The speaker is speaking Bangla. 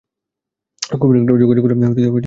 কম্যুনিকেটরে যোগাযোগ করলেন মারলা লি।